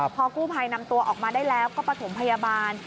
พอกู้ภัยนำตัวออกมาได้แล้วก็ประถมพยาบาล